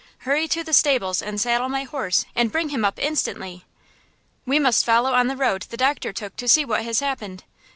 Hurry to the stables and saddle my horse and bring him up instantly! We must follow on the road the doctor took to see what has happened!